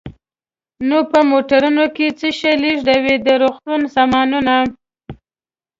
نو په موټرونو کې څه شی لېږدوو؟ د روغتون سامانونه.